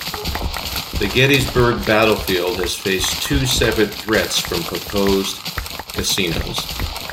The Gettysburg Battlefield has faced two separate threats from proposed casinos.